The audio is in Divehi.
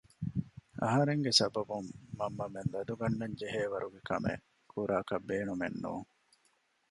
އަހަރެންގެ ސަބަބުން މަންމަމެން ލަދު ގަންނަންޖެހޭ ވަރުގެ ކަމެއް ކުރާކަށް ބޭނުމެއް ނޫން